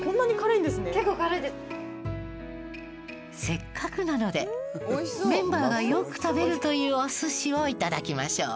せっかくなのでメンバーがよく食べるというお寿司をいただきましょう。